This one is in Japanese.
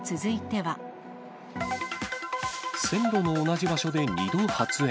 線路の同じ場所で２度発煙。